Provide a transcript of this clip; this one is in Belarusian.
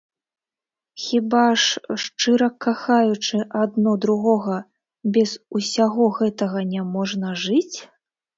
Хіба ж, шчыра кахаючы адно другога, без усяго гэтага няможна жыць?